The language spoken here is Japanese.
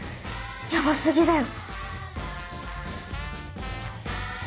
ヤバ過ぎだよ。